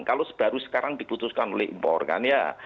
kalau baru sekarang diputuskan oleh impor kan ya